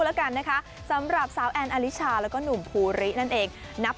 แล้วกันนะคะสำหรับสาวแอนอลิชาแล้วก็หนุ่มภูรินั่นเองนับ